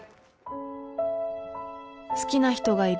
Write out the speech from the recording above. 「好きな人がいる。